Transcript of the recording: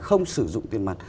không sử dụng tiền mặt